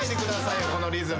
よこのリズムで。